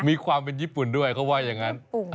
มีความเป็นญี่ปุ่นด้วยเขาว่าอย่างนั้น